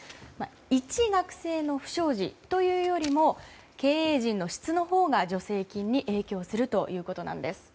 一学生の不祥事というよりも経営陣の質のほうが助成金に影響するということなんです。